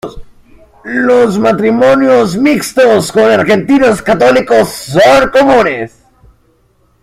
Los matrimonios mixtos con argentinos católicos son comunes.